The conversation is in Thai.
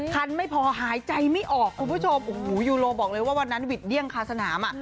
คันไม่พอหายใจไม่ออกคุณผู้ชมโอ้โหยูโรบอกเลยว่าวันนั้นหวิดเดี้ยงคาสนามอ่ะ